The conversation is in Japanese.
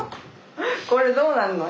これどうなるの？